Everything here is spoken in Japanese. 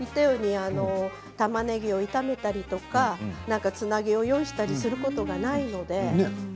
たまねぎを炒めたりとかつなぎを用意したりすることがないので。